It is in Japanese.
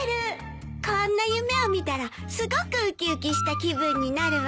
こんな夢を見たらすごく浮き浮きした気分になるわ。